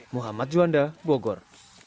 muhammad juanda bogor